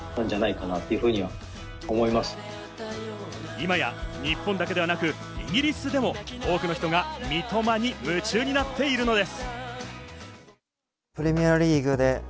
今や日本だけではなくイギリスでも多くの人が三笘に夢中になっているのです。